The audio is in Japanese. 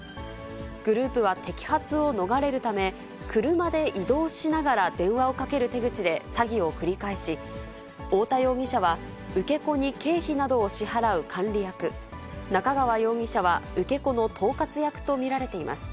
グループは摘発を逃れるため、車で移動しながら電話をかける手口で詐欺を繰り返し、太田容疑者は受け子に経費などを支払う管理役、中川容疑者は受け子の統括役と見られています。